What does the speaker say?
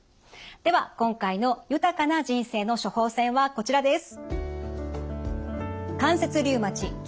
では今回の「豊かな人生の処方せん」はこちらです！